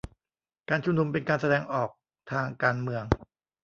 การชุมนุมเป็นการแสดงออกทางการเมือง